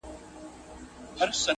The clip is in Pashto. د ښکلیو نجونو شاپېریو وطن،